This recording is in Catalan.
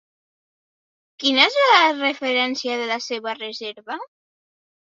Quina és la referència de la seva reserva?